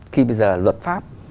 khi bây giờ luật pháp